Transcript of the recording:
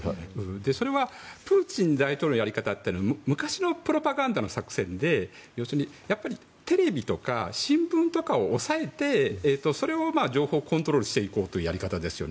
それはプーチン大統領のやり方は昔のプロパガンダの作戦でテレビとか新聞とかを押さえてそれを情報をコントロールしていこうというやり方ですよね。